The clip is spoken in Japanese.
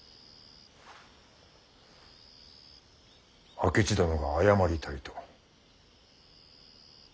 明智殿が謝りたいと。